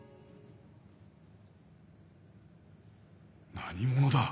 何者だ？